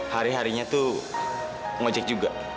hari harinya tuh ngojek juga